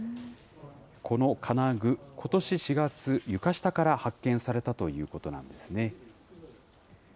この金具、ことし４月、床下から発見されたということなんですね。